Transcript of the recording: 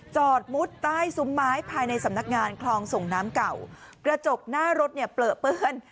จอดมุดใต้ซุ้มไม้ภายในสำนักงานคลองส่งน้ำเก่ากระจกหน้ารถเนี่ยเปลือเปื้อน